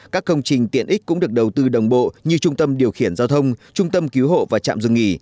các công trình tiện ích cũng được đầu tư đồng bộ như trung tâm điều khiển giao thông trung tâm cứu hộ và trạm dừng nghỉ